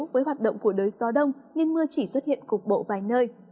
với hoạt động của đới gió đông nên mưa chỉ xuất hiện cục bộ vài nơi